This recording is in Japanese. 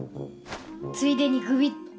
ついでにグビッと。